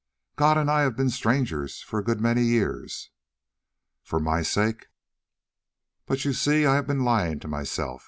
"God and I have been strangers for a good many years." "For my sake." "But you see, I have been lying to myself.